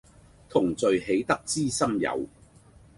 同聚喜得知心友